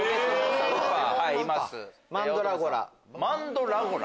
マンドラゴラ。